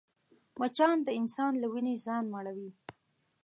مچان د انسان له وینې ځان مړوي